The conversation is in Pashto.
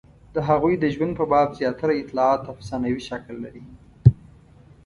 د هغوی د ژوند په باب زیاتره اطلاعات افسانوي شکل لري.